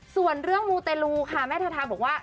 ส่วนเรื่องมูเตลูค่ะแม่ทาทาบอกว่า